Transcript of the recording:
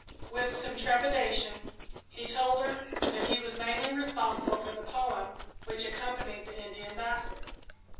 With some trepidation he told her that he was mainly responsible for the poem which accompanied the Indian basket.